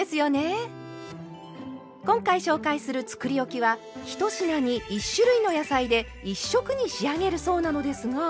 今回紹介するつくりおきは１品に１種類の野菜で１色に仕上げるそうなのですが。